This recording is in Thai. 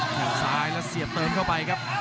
แค่งซ้ายแล้วเสียบเติมเข้าไปครับ